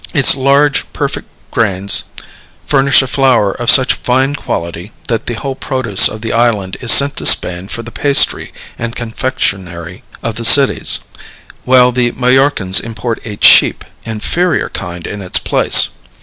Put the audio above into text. Its large, perfect grains furnish a flour of such fine quality that the whole produce of the island is sent to Spain for the pastry and confectionery of the cities, while the Majorcans import a cheap, inferior kind in its place.